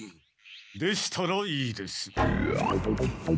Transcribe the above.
でしたらいいです。